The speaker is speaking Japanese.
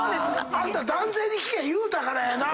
あんた男性に聞け言うたからやな。